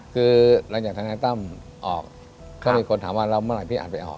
คือหลังจากธนายตั้มออกก็มีคนถามว่าแล้วเมื่อไหพี่อัดไปออก